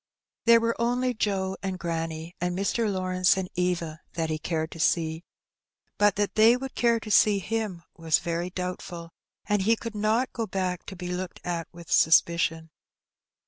There were only Joe and granny, and Mr. Lawrence and Eva, that he cared to see, but that they would care to see him was very doubtful, and he could not go back to be looked at with suspicion.